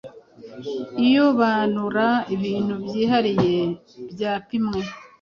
iobanura ibintu byihariye, byapimwe,